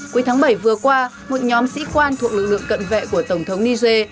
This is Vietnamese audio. cuối tháng bảy vừa qua một nhóm sĩ quan thuộc lực lượng cận vệ của tổng thống niger